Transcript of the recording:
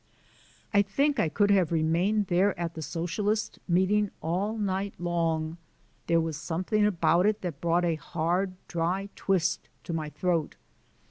I think I could have remained there at the Socialist meeting all night long: there was something about it that brought a hard, dry twist to my throat.